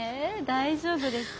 大丈夫ですか？